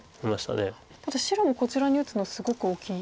ただ白もこちらに打つのすごく大きい。